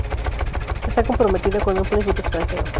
Está comprometida con un príncipe extranjero.